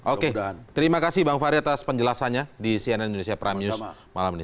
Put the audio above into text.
oke terima kasih bang faris atas penjelasannya di cnn indonesia prime news